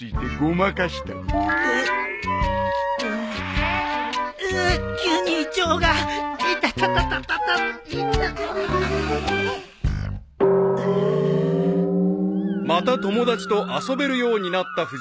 ［また友達と遊べるようになった藤木］